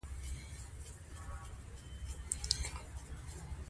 ادبیات زموږ د کلتور هنداره ده.